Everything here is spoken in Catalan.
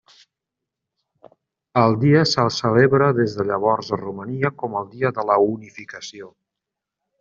El dia se celebra des de llavors a Romania com el dia de la unificació.